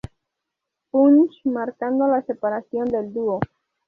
Punch marcando la separación del dúo.